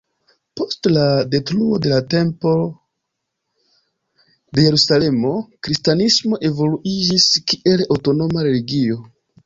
Post la detruo de la Templo de Jerusalemo, kristanismo evoluiĝis kiel aŭtonoma religio.